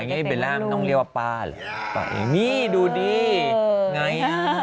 อย่างนี้เบลล่าต้องเรียกว่าป้าหรือนี่ดูดิไง